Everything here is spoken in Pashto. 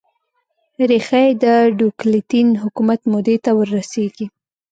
ریښه یې د ډیوکلتین حکومت مودې ته ور رسېږي